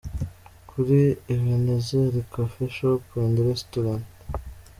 Kuri Ebenezer Coffee Shop and Restaurant.